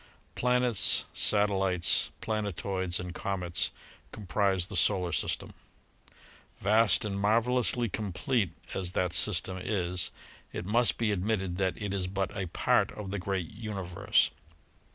Planets, satellites, planetoids and comets comprise the Solar System. Vast and marvelously complete as that system is, it must be admitted that it is but a part of the great universe.